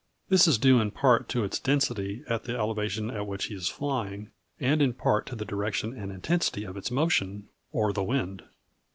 This is due in part to its density at the elevation at which he is flying, and in part to the direction and intensity of its motion, or the wind.